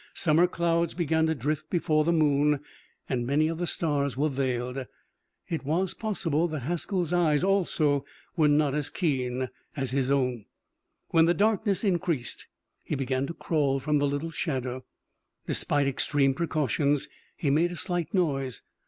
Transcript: Summer clouds began to drift before the moon, and many of the stars were veiled. It was possible that Haskell's eyes also were not as keen as his own. When the darkness increased, he began to crawl from the little shallow. Despite extreme precautions he made a slight noise.